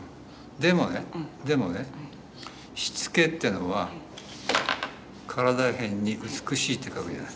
でもねでもね躾っていうのは身偏に美しいって書くじゃない。